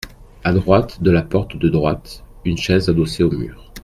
À droite de la porte de droite, une chaise adossée au mur.